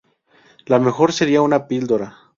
Lo mejor sería una píldora.